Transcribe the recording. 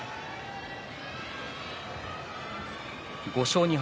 ５勝２敗